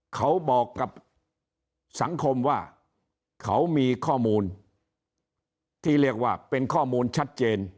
เขาบอกกับสังคมว่าเขามีข้อมูลที่เรียกว่าเป็นข้อมูลชัดเจน